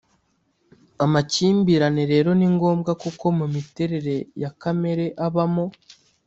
amakimbirane rero ni ngombwa kuko mu miterere ya kamere abamo